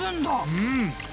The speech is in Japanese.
うん。